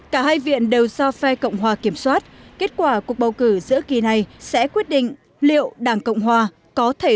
cả hai viện đều do phe cộng hòa kiểm soát kết quả cuộc bầu cử giữa kỳ này sẽ quyết định liệu đảng cộng hòa có thể